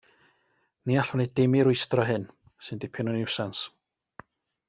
Ni all wneud dim i rwystro hyn, sy'n dipyn o niwsans.